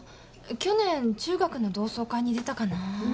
去年中学の同窓会に出たかな。